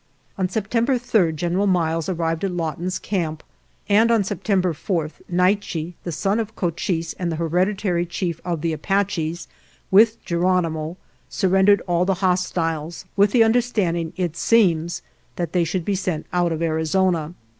*)" On September 3 General Miles arrived at Lawton's camp, and on September 4 Naiche, the son of Cochise, and the heredi tary chief of the Apaches, with Geronimo surrendered all the hostiles, with the under standing, it seems, that they should be sent out of Arizona.